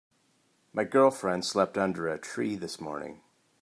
My girlfriend slept under a tree this morning.